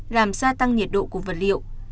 làm gia tăng nhiệt độ của vật liệu